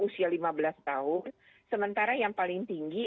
usia lima belas tahun sementara yang paling tinggi